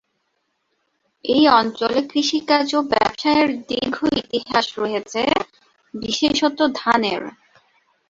এই অঞ্চলে কৃষিকাজ ও ব্যবসায়ের দীর্ঘ ইতিহাস রয়েছে, বিশেষত ধানের।